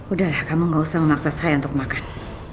udah lah kamu gak usah memaksa saya untuk makan